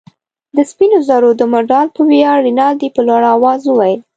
د سپینو زرو د مډال په ویاړ. رینالډي په لوړ آواز وویل.